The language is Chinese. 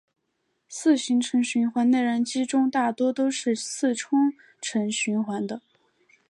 四行程循环内燃机中大多都是四冲程循环的。